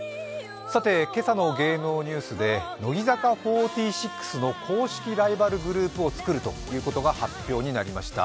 今朝の芸能ニュースで乃木坂４６の公式ライバルグループを作るということが発表になりました。